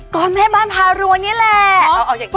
ก็แม่บ้านพารวยนี่แหละ